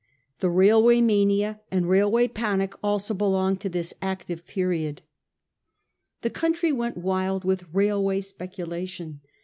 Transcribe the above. The railway mania and railway panic also belong to this active period. The country went wild with railway speculation.